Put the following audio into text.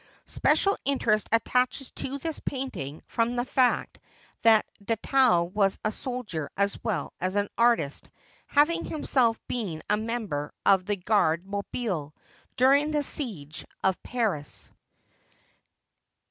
Special interest attaches to this painting from the fact that Detaille was soldier as well as artist, having himself been a member of the "Garde Mobile," during the siege of Paris.